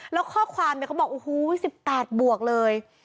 แล้วข้อความเนี่ยเขาบอกโอ้โห๑๘บวกเลย